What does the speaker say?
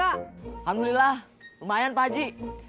alhamdulillah lumayan pak ji